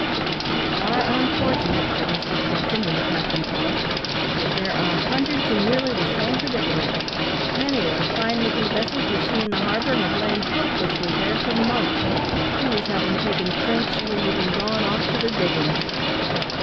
"You are unfortunate," said Mr Thompson, when the captain paused; "but there are hundreds in nearly the same predicament. Many of the fine looking vessels you see in the harbour have lain helplessly there for months, the crews having taken French leave, and gone off to the diggings."